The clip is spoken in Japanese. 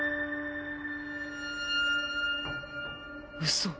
嘘。